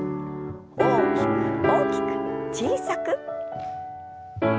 大きく大きく小さく。